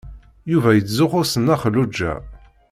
Yuba yettzuxxu s Nna Xelluǧa.